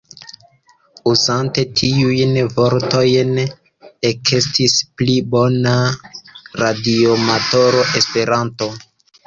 Uzante tiujn vortojn ekestis pli bona radioamatora Esperanto.